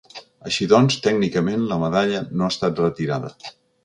Així doncs, tècnicament, la medalla no ha estat retirada.